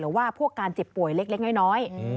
ว่าพวกการเจ็บป่วยเล็กน้อย